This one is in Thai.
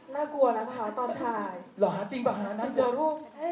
รู้หรอนะจริงบ้างนะนาจารุ